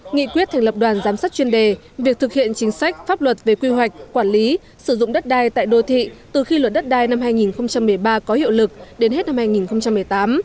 nghị quyết thành lập đoàn giám sát chuyên đề việc thực hiện chính sách pháp luật về quy hoạch quản lý sử dụng đất đai tại đô thị từ khi luật đất đai năm hai nghìn một mươi ba có hiệu lực đến hết năm hai nghìn một mươi tám